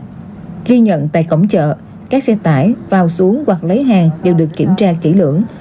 ghi nhận tại cổng chợ các xe tải vào xuống hoặc lấy hàng đều được kiểm tra kỹ lưỡng